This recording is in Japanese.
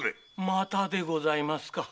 またでございますか？